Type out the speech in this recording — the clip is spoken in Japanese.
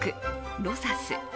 ロサス。